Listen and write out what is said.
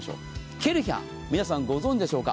ケルヒャー、皆さんご存じでしょうか。